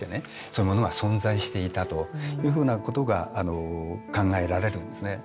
そういうものが存在していたというふうなことが考えられるんですね。